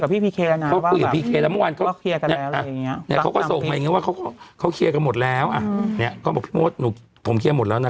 ไม่ได้จริงว่าให้หนูดูตามนะ